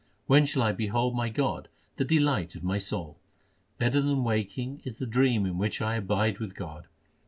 When shall I behold my God the delight of my soul ? Better than waking is the dream in which I abide with God.